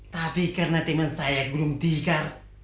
tapi karena teman saya belum tigar